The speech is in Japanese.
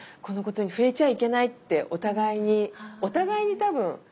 このことに触れちゃいけないってお互いにお互いに多分。